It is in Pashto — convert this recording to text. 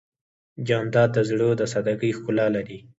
جانداد د زړه د سادګۍ ښکلا لري.